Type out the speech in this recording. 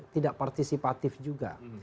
tidak partisipatif juga